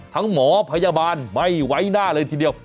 หมอพยาบาลไม่ไว้หน้าเลยทีเดียว